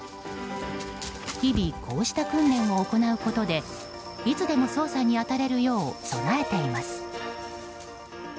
日々、こうした訓練を行うことでいつでも捜査に当たれるよう備えています。